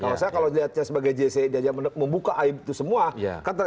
kalau saya lihatnya sebagai gc dia membuka aib itu semua